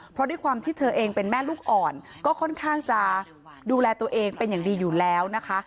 เพราะด้วยความที่เธอเองเป็นแม่ลูกอ่อนก็ค่อนข้างจะดูแลตัวเองเป็นอย่างดีอยู่แล้วนะคะ